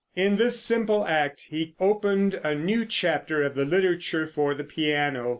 In this simple act he opened a new chapter of the literature for the piano.